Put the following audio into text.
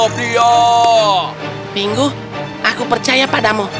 pingu aku percaya padamu